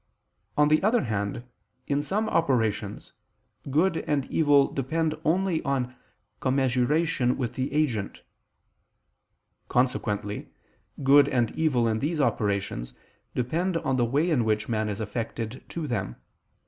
On the other hand, in some operations, good and evil depend only on commensuration with the agent. Consequently good and evil in these operations depend on the way in which man is affected to them.